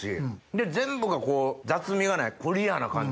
で全部がこう雑味がないクリアな感じ。